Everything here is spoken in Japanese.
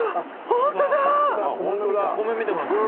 ホントだお米みたくなってる。